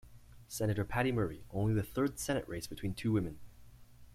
Senator Patty Murray, only the third Senate race between two women.